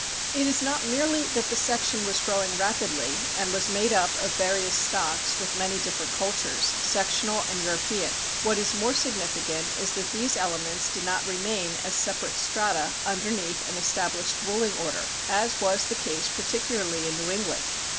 It is not merely that the section was growing rapidly and was made up of various stocks with many different cultures, sectional and European; what is more significant is that these elements did not remain as separate strata underneath an established ruling order, as was the case particularly in New England.